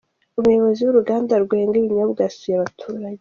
Umuyobozi w’uruganda rwenga ibinyobya yasuye abaturage.